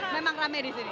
memang rame disini